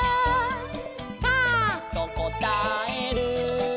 「カァとこたえる」